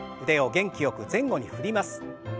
腕を元気よく前後に振ります。